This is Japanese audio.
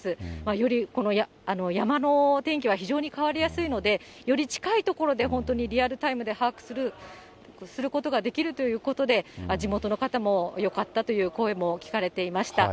よりこの山の天気は非常に変わりやすいので、より近い所で、本当にリアルタイムで把握することができるということで、地元の方もよかったという声も聞かれていました。